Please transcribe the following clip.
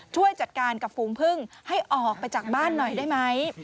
ช่วยจัดการกับฝูงพึ่งให้ออกไปจากบ้านหน่อยได้ไหม